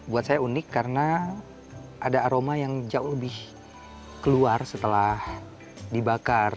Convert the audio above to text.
buat saya unik karena ada aroma yang jauh lebih keluar setelah dibakar